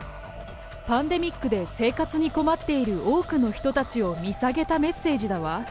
パンデミックで生活に困っている多くの人たちを見下げたメッ